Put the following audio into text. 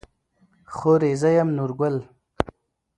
خورې زه يم نورګل.